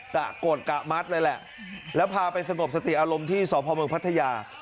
กะโกรธกะมัดเลยแหละแล้วพาไปสงบสติอารมณ์ที่สพเมืองพัทยา